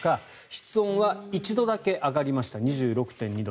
室温は１度だけ上がりました２６．２度。